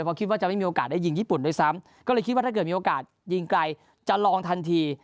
เพราะคิดว่าจะไม่มีโอกาสได้ยิงญี่ปุ่นด้วยซ้ำก็เลยคิดว่าถ้าเกิดมีโอกาสยิงไกลจะลองทันที